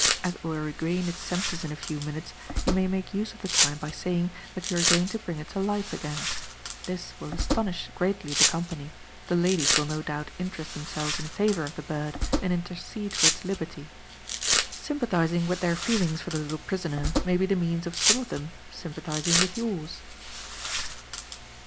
As it will regain its senses in a few minutes, you may make use of the time by saying, that you are going to bring it to life again; this will astonish greatly the company; the ladies will no doubt interest themselves in favor of the bird, and intercede for its liberty. Sympathizing with their feelings for the little prisoner may be the means of some of them sympathizing with yours.